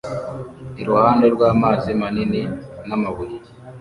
iruhande rw'amazi manini n'amabuye